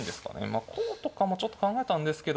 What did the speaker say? まあこうとかもちょっと考えたんですけど。